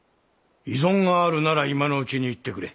異存があるなら今のうちに言ってくれ。